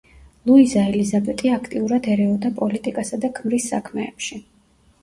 ლუიზა ელიზაბეტი აქტიურად ერეოდა პოლიტიკასა და ქმრის საქმეებში.